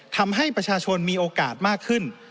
ทำให้ประชาชนมีโอกาสมากขึ้น